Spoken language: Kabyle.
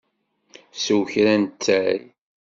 Sew kra n ttay.